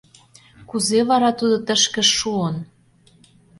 Кузе вара тудо тышке шуын?